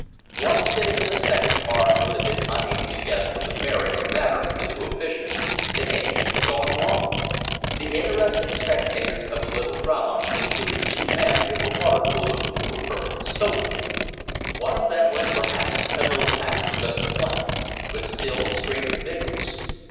One sitting in the second car would have been unable to guess from the bearing or manner of the two officials that anything had gone wrong. The interested spectators of the little drama included two men near the water cooler who were perfectly sober. One of them was perhaps a little past the best of life, but still straight and vigorous.